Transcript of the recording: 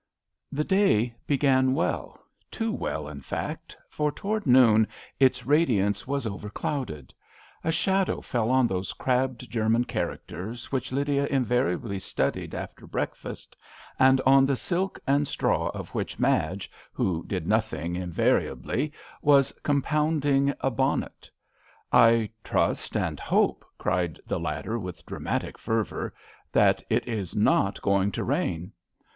^HE day began well— too > well, in fact, for towards I noon its radiance was overclouded. A shadow , fell on those crabbed German characters which Lydia invariably studied after breakfast, and on the silk and straw of which Madge, who did nothing invariably, was com pounding a bonnet. " I trust and hope," cried the latter, with dramatic fervour, " that it is not going to rain."